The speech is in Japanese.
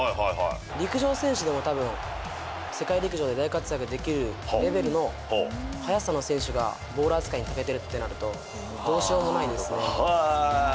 陸上選手でもたぶん、世界陸上で大活躍できるレベルの速さの選手がボール扱いにたけてるってなると、どうしようもないですね。